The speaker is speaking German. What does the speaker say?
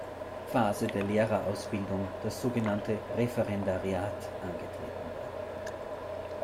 Phase der Lehrerausbildung, das sogenannte Referendariat, angetreten werden.